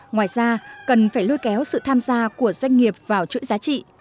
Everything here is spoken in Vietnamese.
ngoài ra cần phải lôi kéo sự tham gia của doanh nghiệp vào chuỗi giá trị